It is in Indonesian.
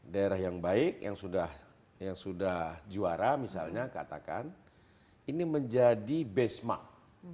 daerah yang baik yang sudah juara misalnya katakan ini menjadi benchmark